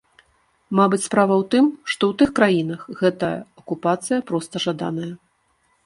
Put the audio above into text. Мабыць, справа ў тым, што ў тых краінах гэтая акупацыя проста жаданая.